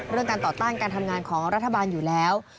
การต่อต้านการทำงานของรัฐบาลอยู่แล้ว